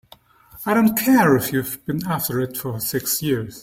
I don't care if you've been after it for six years!